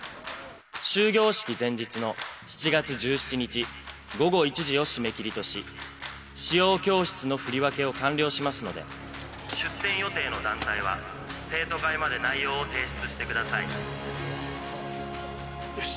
終業式前日の７月１７日午後１時を締め切りとし使用教室の振り分けを完了しますので出店予定の団体は生徒会まで内容を提出してください」よし。